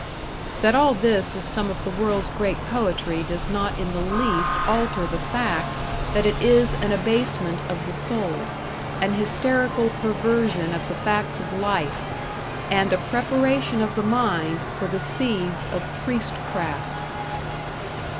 That all this is some of the world's great poetry does not in the least alter the fact that it is an abasement of the soul, an hysterical perversion of the facts of life, and a preparation of the mind for the seeds of Priestcraft.